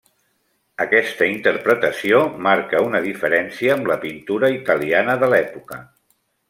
Aquesta interpretació marca una diferència amb la pintura italiana de l'època.